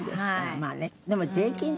まあね。